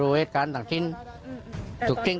เพราะถูกหาร่วมอยู่บ่อยครั้ง